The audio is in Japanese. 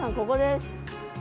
ここです。